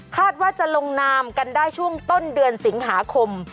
ว่าจะลงนามกันได้ช่วงต้นเดือนสิงหาคม